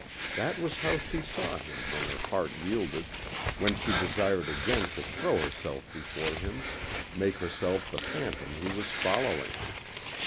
That was how she saw him when her heart yielded, when she desired again to throw herself before him, make herself the phantom he was following.